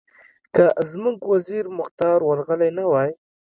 که زموږ وزیر مختار ورغلی نه وای.